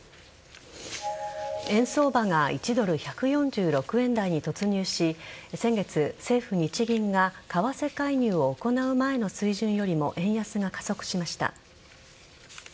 円相場が１ドル１４６円台に突入し先月、政府・日銀が為替介入を行う前の水準よりも円安が加速しました。